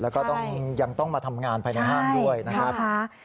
แล้วก็ต้องยังต้องมาทำงานภายในห้างด้วยนะครับ